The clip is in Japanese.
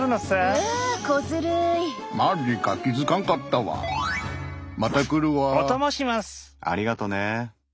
ありがとね。